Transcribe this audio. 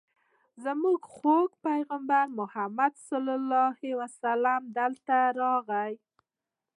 زموږ خوږ پیغمبر حضرت محمد صلی الله علیه وسلم دلته راغی.